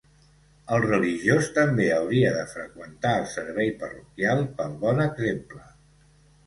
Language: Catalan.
El religiós també hauria de freqüentar el servei parroquial, pel bon exemple.